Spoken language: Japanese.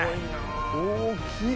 大きい！